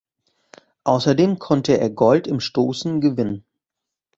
Außerdem konnte er Gold im Stoßen gewinnen.